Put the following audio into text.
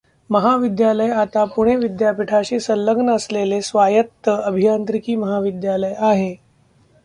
महाविद्यालय आता पुणे विद्यापीठाशी संलग्न असलेले स्वायत्त अभियांत्रिकी महाविद्यालय आहे.